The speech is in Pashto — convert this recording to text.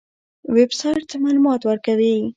ویب سایټ څه معلومات ورکوي؟